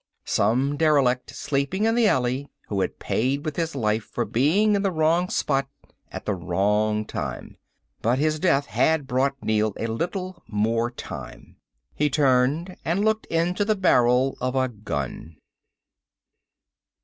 Some derelict, sleeping in the alley, who had paid with his life for being in the wrong spot at the wrong time. But his death had bought Neel a little more time. He turned and looked into the barrel of a gun.